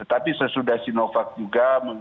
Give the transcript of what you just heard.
tetapi sesudah sinovac juga mendapatkan data di awal awal